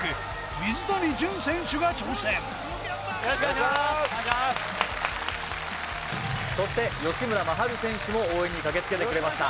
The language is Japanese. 水谷隼選手が挑戦そして吉村真晴選手も応援に駆けつけてくれました